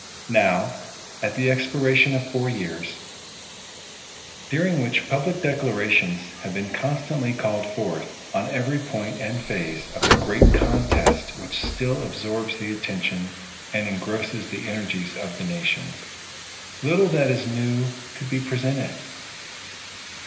Now, at the expiration of four years, during which public declarations have been constantly called forth on every point and phase of the great contest which still absorbs the attention and engrosses the energies of the nation, little that is new could be presented.